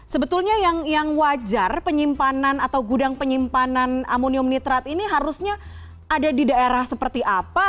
sebetulnya yang wajar penyimpanan atau gudang penyimpanan amonium nitrat ini harusnya ada di daerah seperti apa